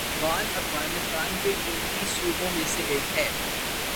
Baghlan Afghanistan کے چونتیس صوبوں میں سے ایک ہے